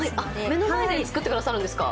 目の前で作ってくださるんですか？